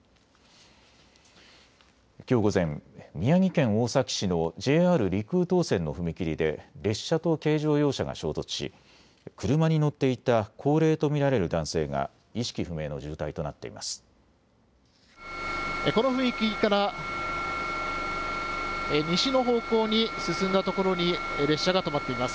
きょう午前、宮城県大崎市のＪＲ陸羽東線の踏切で列車と軽乗用車が衝突し車に乗っていた高齢と見られる男性が意識不明の重体となっています。